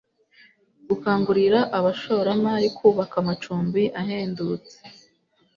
gukangurira abashoramari kubaka amacumbi ahendutse